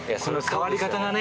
変わり方がね。